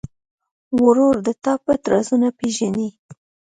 ورور د تا پټ رازونه پېژني.